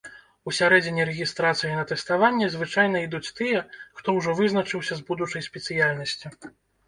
У сярэдзіне рэгістрацыі на тэставанне звычайна ідуць тыя, хто ўжо вызначыўся з будучай спецыяльнасцю.